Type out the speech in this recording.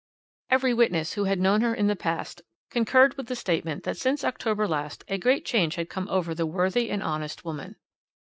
Every witness who had known her in the past concurred in the statement that since October last a great change had come over the worthy and honest woman.